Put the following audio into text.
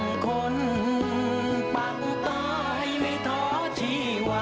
โอ้โหปักตายบ้านเรา